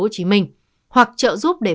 hồ chí minh hoặc trợ giúp để